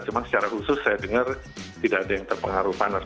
cuma secara khusus saya dengar tidak ada yang terpengaruh panas